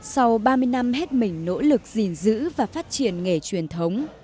sau ba mươi năm hết mình nỗ lực gìn giữ và phát triển nghề truyền thống